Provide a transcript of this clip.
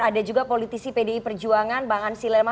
ada juga politisi pdi perjuangan bang ansi lelma